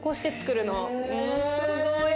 すごい。